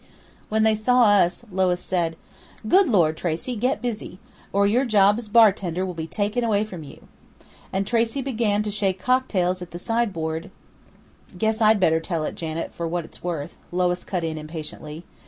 "When they saw us, Lois said: 'Good Lord, Tracey! Get busy! Or your job as bartender will be taken away from you,' and Tracey began to shake cocktails at the sideboard " "Guess I'd better tell it, Janet, for what it's worth," Lois cut in impatiently.